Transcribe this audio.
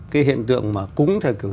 cái hiện tượng mà cúng theo kiểu